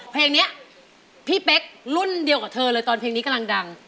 เพลงนี้พี่เป๊กรุ่นเดียวกับเธอเลยตอนเพลงนี้กำลังดัง